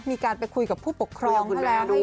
มีการไปคุยกับผู้ปกครองเท่าไร